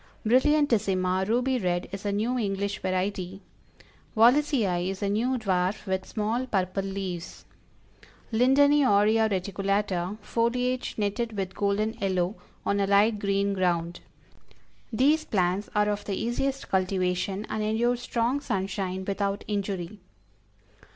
Brilliantissima, ruby red, is a new English variety; Wallisii is a new dwarf, with small purple leaves; Lindeni Aurea Reticulata, foliage netted with golden yellow, on a light green ground. These plants are of the easiest cultivation, and endure strong sunshine without injury.